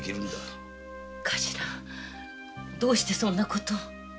どうしてそんな事を。